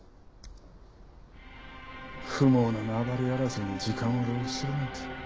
不毛な縄張り争いに時間を浪費するなんて。